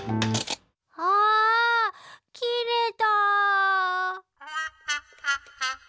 あきれた。